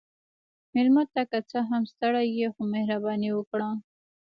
مېلمه ته که څه هم ستړی يې، خو مهرباني وکړه.